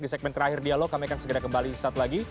di segmen terakhir dialog kami akan segera kembali saat lagi